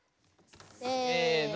せの！